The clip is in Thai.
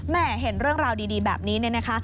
แหมเห็นเรื่องราวดีแบบนี้นะคะ